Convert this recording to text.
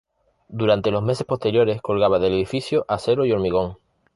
Durante los meses posteriores, colgaba del edificio acero y hormigón.